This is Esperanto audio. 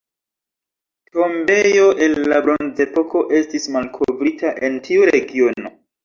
Tombejo el la Bronzepoko estis malkovrita en tiu regiono.